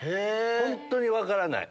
本当に分からない。